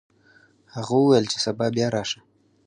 هغه وویل چې سبا بیا راشه.